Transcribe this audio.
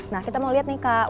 nah kita mau lihat nih kak